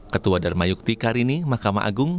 ketua dharma yukti karini mahkamah agung